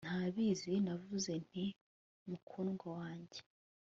Ntabizi navuze nti Mukundwa wanjye